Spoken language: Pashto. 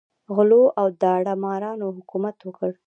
غلو او داړه مارانو حکومت وکړ.